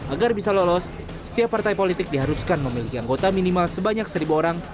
agar bisa lolos setiap partai politik diharuskan memiliki anggota minimal sebanyak seribu orang